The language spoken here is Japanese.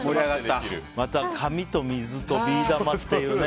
また、紙と水とビー玉っていうね